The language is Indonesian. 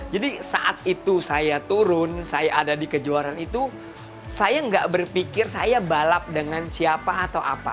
jadi saat itu saya turun saya ada di kejuaraan itu saya nggak berpikir saya balap dengan siapa atau apa